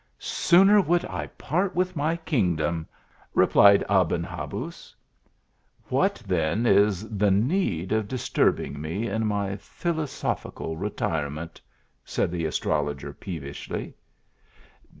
" Sooner would I part with my kingdom !" replied Aben Habuz. " What then is the need of disturbing me in my philosophical retirement?" said the astrologer, pe > vishly.